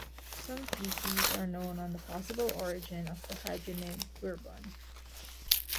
Some theses are known on the possible origin of the hydronym "Bourbon".